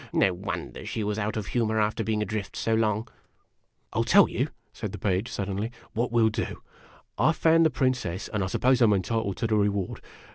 No wonder she was out of humor, after being adrift so long." "I '11 tell you," said the Page, suddenly, "what we '11 do. I found the Princess, and I suppose I 'm entitled to the reward.